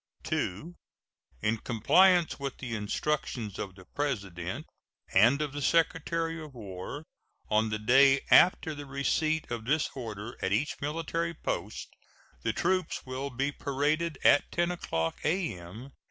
II. In compliance with the instructions of the President and of the Secretary of War, on the day after the receipt of this order at each military post the troops will be paraded at 10 o'clock a.m.